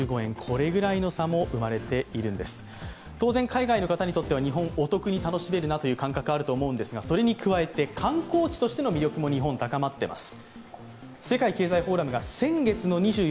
海外の方にとっては日本、お得に楽しめるなという感覚、あると思うんですが、それに加えて観光地としての魅力も高まっています。